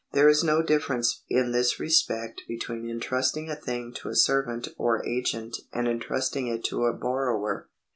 There is no difference in this respect between entrusting a thing to a servant or agent and entrusting it to a borrower.